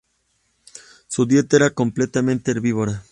Su dieta era completamente herbívora.